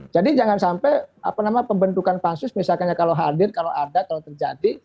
jadi jangan sampai apa nama pembentukan pansus misalkan kalau hadir kalau ada kalau terjadi